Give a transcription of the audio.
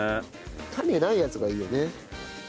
種ないやつがいいよね。